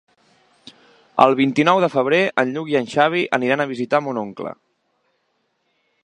El vint-i-nou de febrer en Lluc i en Xavi aniran a visitar mon oncle.